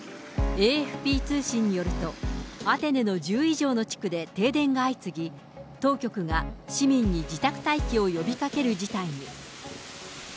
ＡＦＰ通信によると、アテネの１０以上の地区で停電が相次ぎ、当局が市民に自宅待機を呼びかける事態に。